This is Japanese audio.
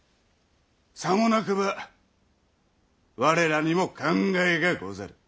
さもなくば我らにも考えがござる。